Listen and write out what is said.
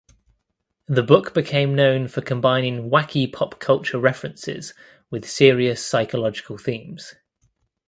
The book became known for combining wacky pop culture references with serious psychological themes.